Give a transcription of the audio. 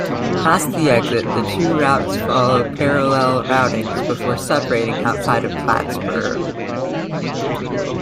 Past the exit, the two routes follow parallel routings before separating outside of Plattsburgh.